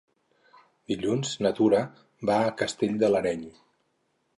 Dilluns na Tura va a Castell de l'Areny.